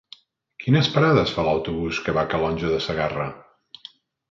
Quines parades fa l'autobús que va a Calonge de Segarra?